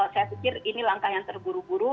saya pikir ini langkah yang terguru guru